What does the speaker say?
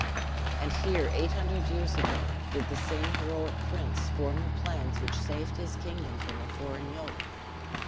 And here eight hundred years ago, did the same heroic prince form the plans which saved his kingdom from a foreign yoke!